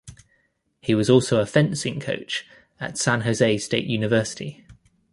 He was also a fencing coach at San Jose State University.